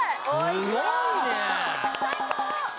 すごいね最高！